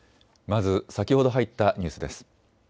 まず先ほど入ったニュースです。